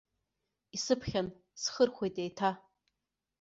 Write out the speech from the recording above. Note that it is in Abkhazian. Исыԥхьан, схырхуеит еиҭа.